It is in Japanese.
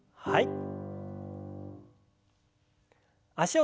はい。